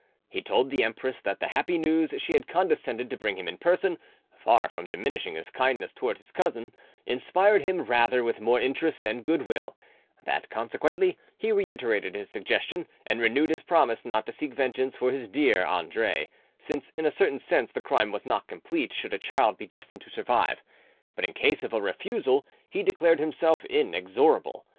He told the empress that the happy news she had condescended to bring him in person, far from diminishing his kindness towards his cousin, inspired him rather with more interest and goodwill; that consequently he reiterated his suggestion, and renewed his promise not to seek vengeance for his dear Andre, since in a certain sense the crime was not complete should a child be destined to survive; but in case of a refusal he declared himself inexorable.